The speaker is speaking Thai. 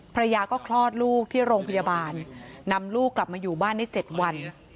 ภรรยาก็คลอดลูกที่โรงพยาบาลนำลูกกลับมาอยู่บ้านได้๗วัน